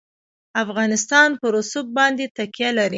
افغانستان په رسوب باندې تکیه لري.